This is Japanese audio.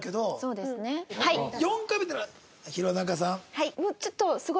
はい。